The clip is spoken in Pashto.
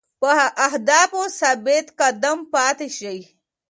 په اهدافو ثابت قدم پاتې شئ.